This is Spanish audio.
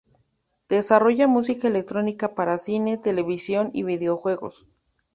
Desarrolla música electrónica para cine, televisión y videojuegos.